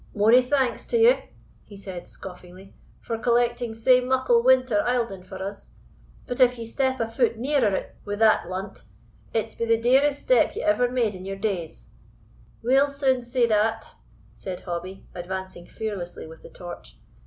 "Mony thanks to ye," he said, scoffingly, "for collecting sae muckle winter eilding for us; but if ye step a foot nearer it wi' that lunt, it's be the dearest step ye ever made in your days." "We'll sune see that," said Hobbie, advancing fearlessly with the torch.